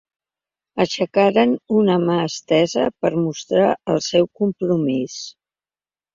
Aixecaran una mà estesa per mostrar el seu compromís.